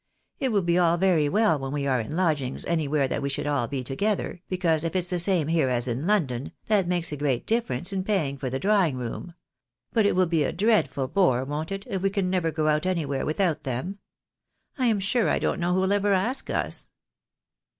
It will be all very well when we are in lodgings anywhere that we should all be together, because if it's the same here as in London, that makes a great dif ference in paying for the drawing room ; but it will be a dreadful bore, won't it, if we can never go out anywhere without them ? I am sure I don't know who'll ever ask us."